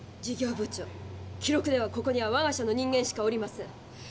事業部長記録ではここにはわが社の人間しかおりません。